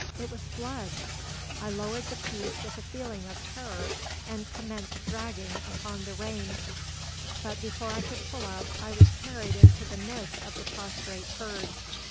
It was blood! I lowered the piece with a feeling of terror, and commenced dragging upon the rein; but, before I could pull up, I was carried into the midst of the prostrate herd.